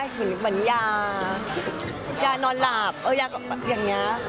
เหมือนยานอนหลาบอย่างเนี้ย